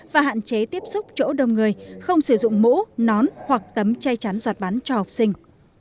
và hạn chế tiếp xúc chỗ đông người không sử dụng mũ nón hoặc tấm chay chắn giọt bán cho học sinh